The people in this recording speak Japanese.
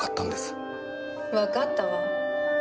わかったわ。